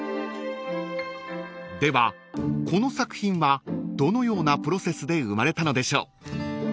ではこの作品はどのようなプロセスで生まれたのでしょう］